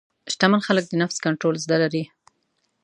شتمن خلک د نفس کنټرول زده لري.